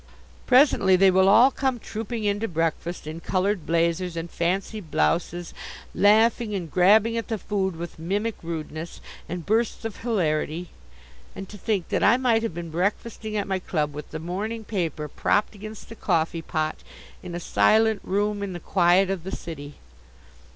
Presently they will all come trooping in to breakfast, in coloured blazers and fancy blouses, laughing and grabbing at the food with mimic rudeness and bursts of hilarity. And to think that I might have been breakfasting at my club with the morning paper propped against the coffee pot, in a silent room in the quiet of the city.